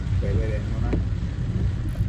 Pebedednu na